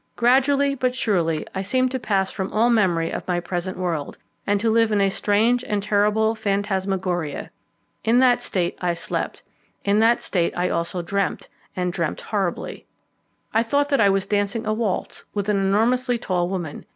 Gradually but surely I seemed to pass from all memory of my present world, and to live in a strange and terrible phantasmagoria. In that state I slept, in that state also I dreamt, and dreamt horribly. I thought that I was dancing a waltz with an enormously tall woman.